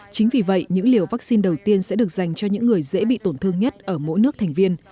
chính vì vậy những liều vaccine đầu tiên sẽ được dành cho những người dễ bị tổn thương nhất ở mỗi nước thành viên